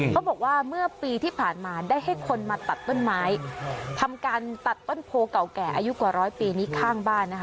เขาบอกว่าเมื่อปีที่ผ่านมาได้ให้คนมาตัดต้นไม้ทำการตัดต้นโพเก่าแก่อายุกว่าร้อยปีนี้ข้างบ้านนะคะ